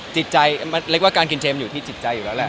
จิตใจเรียกว่าการกินเจมสอยู่ที่จิตใจอยู่แล้วแหละ